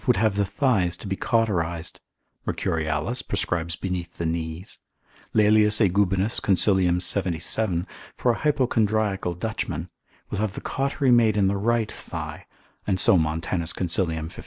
would have the thighs to be cauterised, Mercurialis prescribes beneath the knees; Laelius Aegubinus consil. 77. for a hypochondriacal Dutchman, will have the cautery made in the right thigh, and so Montanus consil. 55.